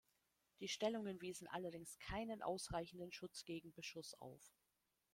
Die Stellungen wiesen allerdings keinen ausreichenden Schutz gegen Beschuss auf.